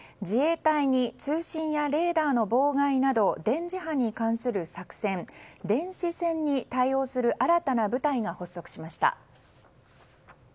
自衛隊に通信やレーダーの妨害など電磁波に関する作戦電子戦に対応する新たな部隊が発足しました。